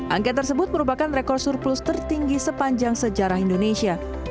angka tersebut merupakan rekor surplus tertinggi sepanjang sejarah indonesia